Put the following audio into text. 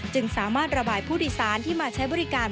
จึงสามารถระบายผู้โดยสารที่มาใช้บริการ